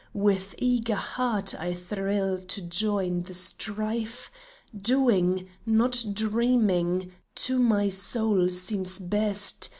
With eager heart I thrill to join the strife ; Doing, not dreaming, to my soul seems best.